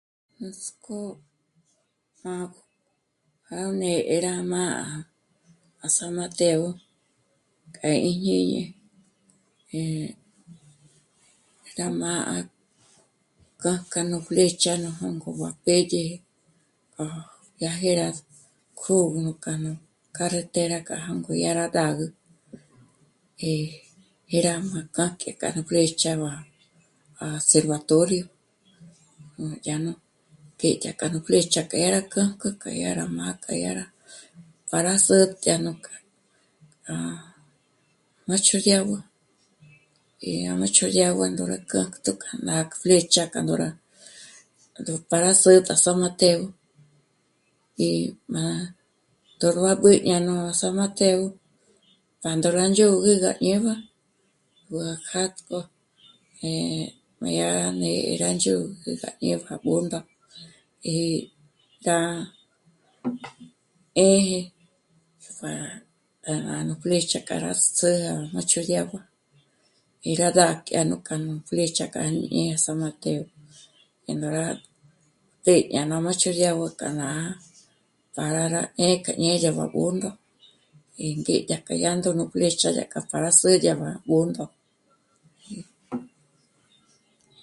Nuts'k'ó má, rá né'e rá má... à San Mateo k'a í jñíñi, eh... rá má k'ájk'a nú flécha nú jângo b'á pédye gá... gá jé rá kjö̌gü nú k'a nú carretera k'a jângo dyá rá d'ágü, eh..., dyá má kjâjk'e k'a nú flechá à Servatorio, núdyá nú k'e dyá k'a nú flécha k'e dyá rá k'ájk'u k'e rá má dyá rá k'â'a que dyá rá para sä̀t'ä dyà nú k'a... à Macho de Agua, eh... à Macho de Agua ndó rá k'âjtk'o k'a nájnu flécha k'a ná ndóra ndó para sä̀t'ä à San Mateo, gí má tö̀rbab'ü jñáño à San Mateo pa ndó rá dyö̌gü gá ñé'nü ndó gá k'àtk'o, eh... má dyá rá né'e rá ndzhôgü gá ñé k'a Bṓndo, eh... dyá 'ḗjē para k'a nájnu flecha k'a rá s'ä̌'ä à Macho de Agua í rá d'ák'ü k'a nú flecha k'a ñé'e à San Mateo ndó rá p'ë́' à Macho de Agua dyágo k'a ná já'a para rá 'ḗ'ē k'a ñé'e yá má à Bṓndo í ngé dyák'a dyá ndó nú flecha dyàk'a para sä̌'ä dyá má à Bṓndo